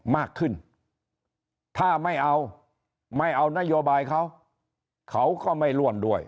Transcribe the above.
มากขึ้นถ้าไม่เอาไม่เอานโยบายเขาเขาก็ไม่ร่วมด้วย